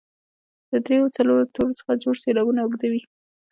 له دریو او څلورو تورو څخه جوړ سېلابونه اوږده وي.